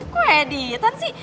kok editan sih